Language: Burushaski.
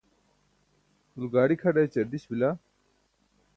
ulo gaaḍi kʰaḍa ećar diś bila?